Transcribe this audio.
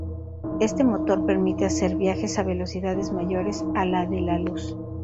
Este motor permite hacer viajes a velocidades mayores a la de la luz.